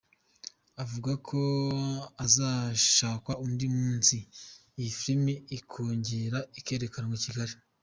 Avuga ko hazashakwa undi munsi iyi filimi ikongera ikerekanwa i Kigali.